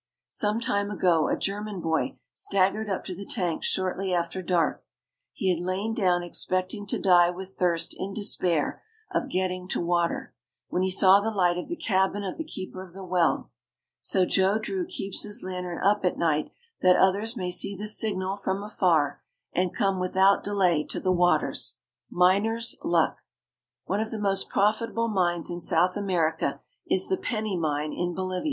Some time ago a German boy staggered up to the tanks shortly after dark. He had lain down expecting to die with thirst in despair of getting to water, when he saw the light of the cabin of the keeper of the well. So Joe Drew keeps his lantern up at night that others may see the signal from afar and come without delay to the waters. MINER'S LUCK. One of the most profitable mines in South America is the Penny mine in Bolivia.